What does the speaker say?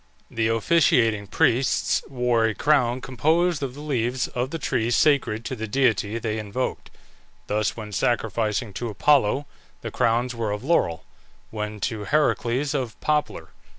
The officiating priests wore a crown composed of the leaves of the tree sacred to the deity they invoked. Thus when sacrificing to Apollo the crowns were of laurel; when to Heracles, of poplar.